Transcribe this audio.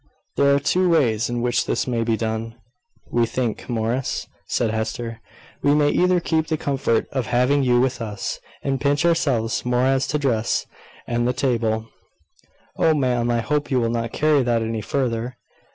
"There are two ways in which this may be done, we think, Morris," said Hester. "We may either keep the comfort of having you with us, and pinch ourselves more as to dress and the table " "Oh! ma'am, I hope you will not carry that any further."